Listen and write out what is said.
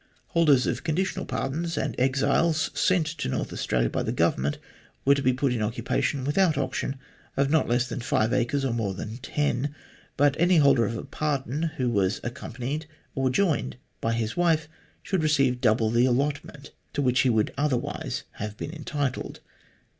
Holders of conditional pardons and exiles, sent to North Australia by the Government, were to be put in occupation, without auction, of not less than 5 acres or more than 10, but any holder of a pardon, who was accompanied or joined by his wife, should receive double the allotment to which he would otherwise have been entitled.